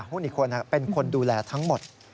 อีกคนเป็นคนดูแลทั้งหมด